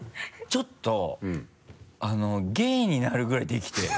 ちょっと芸になるぐらいできてる。